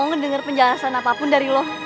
gua gak mau denger penjelasan apapun dari lo